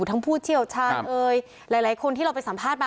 ผู้เชี่ยวชาญเอ่ยหลายคนที่เราไปสัมภาษณ์มา